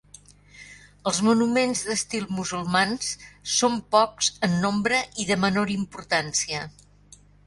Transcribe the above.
Els monuments d'estil musulmans són pocs en nombre i de menor importància.